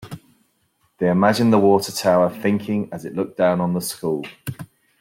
They imagined the water tower thinking as it looked down on the school.